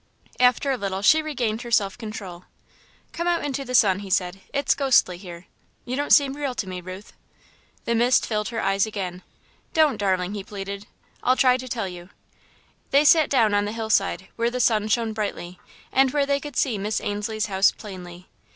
After a little, she regained her self control. "Come out into the sun," he said, "it's ghostly here. You don't seem real to me, Ruth." The mist filled her eyes again. "Don't, darling," he pleaded, "I'll try to tell you." They sat down on the hillside, where the sun shone brightly, and where they could see Miss Ainslie's house plainly.